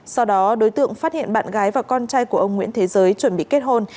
sau đó đối tượng phát hiện bạn gái và con trai của ông nguyễn thế giới chuẩn bị kết hôn